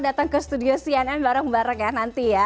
datang ke studio cnn bareng bareng ya nanti ya